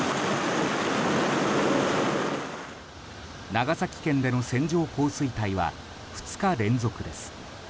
長崎県での線状降水帯は２日連続です。